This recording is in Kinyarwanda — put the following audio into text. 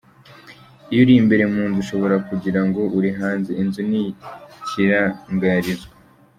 Iyo uri imbere mu nzu ushobora kugira ngo uri hanze, inzu ni ikirangarizwa.